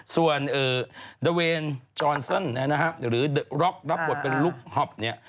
ส่วนดาเวนจอร์นซ่อนหรือเดอะร็อกรับบทเป็นลูกฮอบเนี่ย